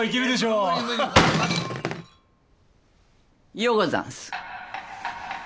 ようござんす。